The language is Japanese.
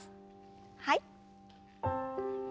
はい。